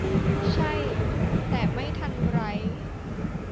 ใช่ แต่ไม่ทันไร